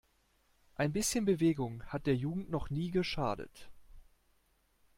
Ein bisschen Bewegung hat der Jugend noch nie geschadet!